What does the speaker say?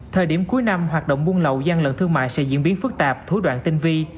thời điểm cuối năm hoạt động buôn lậu gian lận thương mại sẽ diễn biến phức tạp thủ đoạn tinh vi